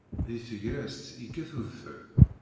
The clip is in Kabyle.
Deg tegrest, yekkat udfel